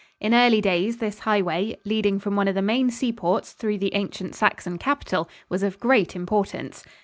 In early days this highway, leading from one of the main seaports through the ancient Saxon capital, was of great importance.